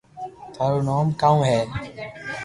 ٿارو نوم ڪاؤ ھي